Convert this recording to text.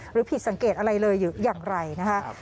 หรือผิดสังเกตอะไรเลยหรืออย่างไรนะคะ